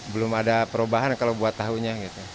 belum ada perubahan kalau buat tahunya